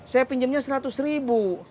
saya pinjamnya seratus ribu